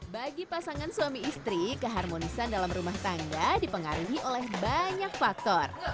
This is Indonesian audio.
bagi pasangan suami istri keharmonisan dalam rumah tangga dipengaruhi oleh banyak faktor